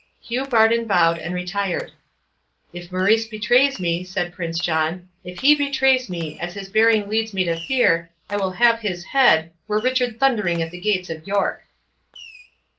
Hugh Bardon bowed, and retired. "If Maurice betrays me," said Prince John—"if he betrays me, as his bearing leads me to fear, I will have his head, were Richard thundering at the gates of York."